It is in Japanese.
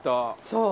そう。